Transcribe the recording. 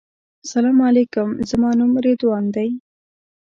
سلام علیکم زما نوم رضوان دی.